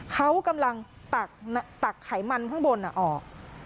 เขากำลังตักไขมันข้างบนออก